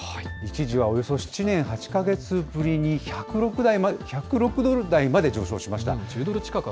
一時はおよそ７年８か月ぶりに１０６ドル台まで上昇しました。